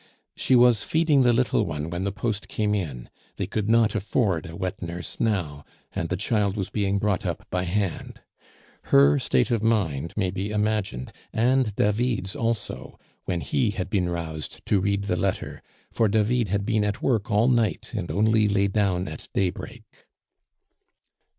She was feeding the little one when the post came in; they could not afford a wet nurse now, and the child was being brought up by hand. Her state of mind may be imagined, and David's also, when he had been roused to read the letter, for David had been at work all night, and only lay down at daybreak.